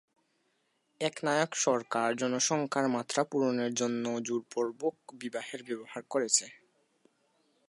একনায়ক সরকার জনসংখ্যার মাত্রা পূরণের জন্যও জোরপূর্বক বিবাহের ব্যবহার করেছে।